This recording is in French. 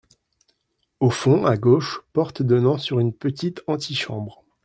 Au fond, à gauche, porte donnant sur une petite anti-chambre.